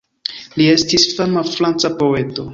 Li estis fama franca poeto.